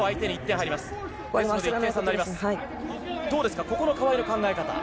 どうですか、ここの川井の考え方。